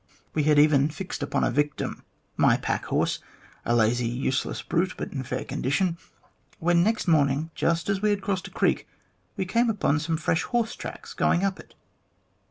We had even fixed upon the victim, my pack horse, a lazy, useless brute, but in fair condition, when next morning, just as we had crossed a creek, we came upon some fresh horse tracks going up it.